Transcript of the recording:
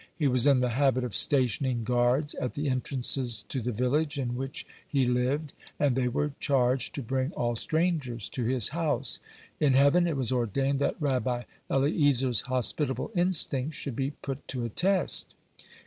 He was in the habit of stationing guards at the entrances to the village in which he lived, and they were charged to bring all strangers to his house. In heaven it was ordained that Rabbi Eliezer's hospitable instincts should be put to a test.